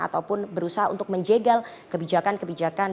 ataupun berusaha untuk menjegal kebijakan kebijakan